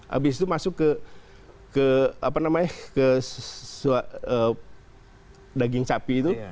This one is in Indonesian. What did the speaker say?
habis itu masuk ke daging sapi itu